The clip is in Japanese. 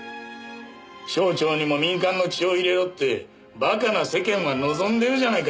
省庁にも民間の血を入れろってバカな世間は望んでるじゃないか。